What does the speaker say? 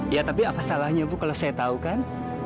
ya tapi apa salahnya bu kalau saya tahu kan